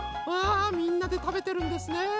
うわみんなでたべてるんですね。